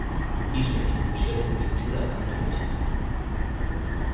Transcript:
Hizo incursiones en pintura, canto y música.